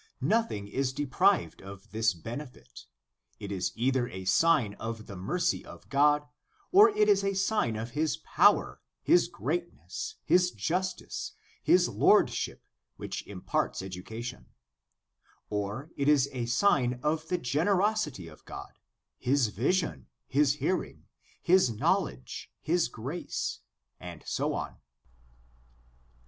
Nothing is deprived of this benefit ; it is either a sign of the mercy of God or it is a sign of His power, His greatness, His justice, His lordship which imparts education; or it is a sign of the generosity of God, His vision, His hearing, His know ledge, His grace, and so on.